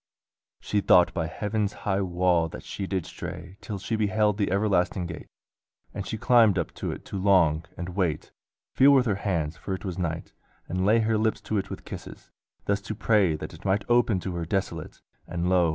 She thought by heaven's high wall that she did stray Till she beheld the everlasting gate: And she climbed up to it to long, and wait, Feel with her hands (for it was night), and lay Her lips to it with kisses; thus to pray That it might open to her desolate. And lo!